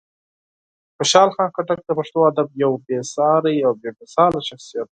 خوشحال خان خټک د پښتو ادب یو بېساری او بېمثاله شخصیت و.